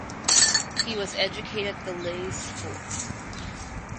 He was educated at The Leys School.